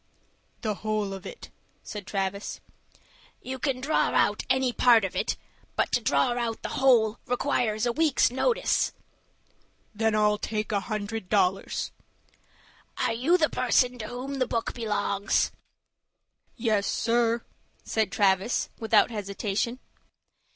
"The whole of it," said Travis. "You can draw out any part of it, but to draw out the whole requires a week's notice." "Then I'll take a hundred dollars." "Are you the person to whom the book belongs?" "Yes, sir," said Travis, without hesitation.